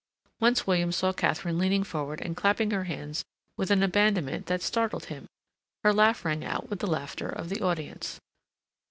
Once William saw Katharine leaning forward and clapping her hands with an abandonment that startled him. Her laugh rang out with the laughter of the audience.